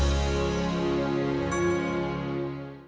kalo naomi jauh lebih cool dibandingin lo